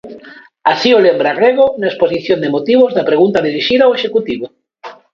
Así o lembra Rego na exposición de motivos da pregunta dirixida ao Executivo.